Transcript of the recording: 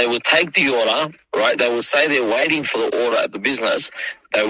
kita menyalahkannya hanya saat kebunyian